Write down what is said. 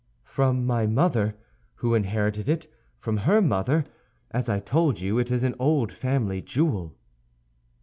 "From my mother, who inherited it from her mother. As I told you, it is an old family jewel."